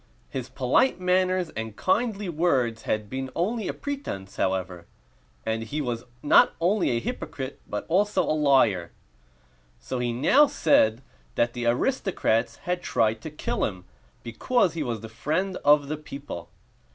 His polite manners and kindly words had been only a pretense, however; and he was not only a hypocrite, but also a liar. So he now said that the aristocrats had tried to kill him because he was the friend of the people.